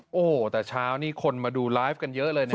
โอ้โหแต่เช้านี้คนมาดูไลฟ์กันเยอะเลย